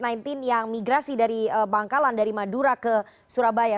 covid sembilan belas yang migrasi dari bangkalan dari madura ke surabaya